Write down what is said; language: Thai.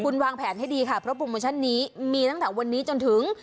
คุณวางแผนให้ดีค่ะเพราะโปรโมชั่นนี้มีตั้งแต่วันนี้จนถึง